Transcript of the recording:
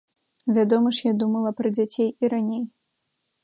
Вядома ж, я думала пра дзяцей і раней.